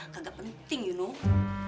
kagak penting you know